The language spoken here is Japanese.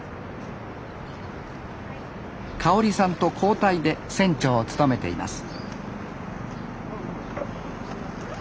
かおりさんと交代で船長を務めています